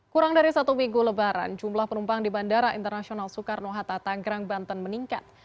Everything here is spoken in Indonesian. kurang dari satu minggu lebaran jumlah penumpang di bandara internasional soekarno hatta tanggerang banten meningkat